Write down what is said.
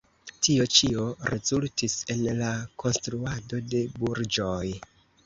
Tio ĉio rezultis en la konstruado de burĝoj.